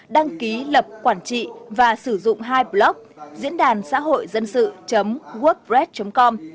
đăng ký lập quản trị và sử dụng hai blog diễn đàn xã hội dân sự workbrad com